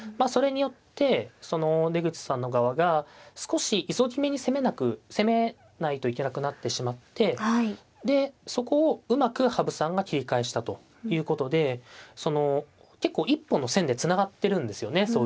それによって出口さんの側が少し急ぎめに攻めないといけなくなってしまってでそこをうまく羽生さんが切り返したということでその結構一本の線でつながってるんですよね